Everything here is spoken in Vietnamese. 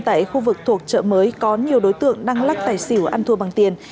tại khu vực thuộc chợ mới có nhiều đối tượng đang lắc tài xỉu ăn thua bằng tiền